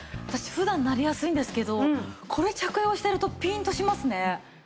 私普段なりやすいんですけどこれ着用してるとピンとしますね。